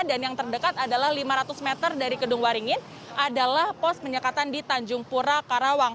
dan yang terdekat adalah lima ratus meter dari kedung waringin adalah pos penyekatan di tanjung pura karawang